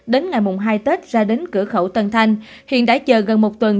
đến ngày hai tết ra đến cửa khẩu tân thanh hiện đã chờ gần một tuần